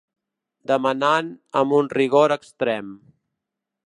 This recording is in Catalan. Demanat amb un rigor extrem.